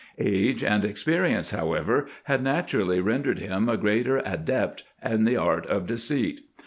Age and experience, however, had naturally rendered him a greater adept in the art of deceit.